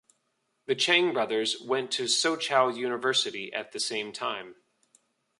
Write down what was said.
The Chang brothers went to Soochow University at the same time.